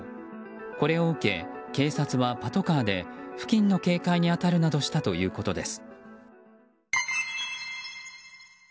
これを受け、警察はパトカーで付近の警戒に当たるなどしたということです。